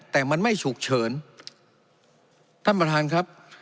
แต่มันไม่ฉุกเฉินท่านประธานครับ